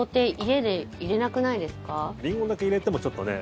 リンゴだけ入れてもちょっとね。